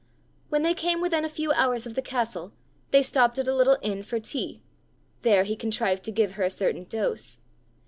When they came within a few hours of the castle, they stopped at a little inn for tea; there he contrived to give her a certain dose.